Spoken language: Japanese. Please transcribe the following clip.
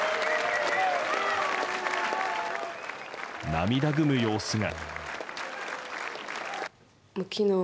涙ぐむ様子が。